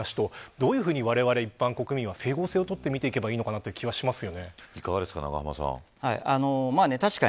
どういうふうにわれわれ一般国民は整合性を取ってみていけばいいのかという気がします。